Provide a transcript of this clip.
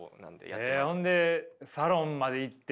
えほんでサロンまで行って。